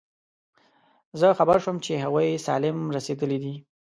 زه خبر شوم چې هغوی سالم رسېدلي دي.